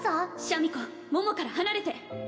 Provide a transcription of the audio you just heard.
シャミ子桃から離れて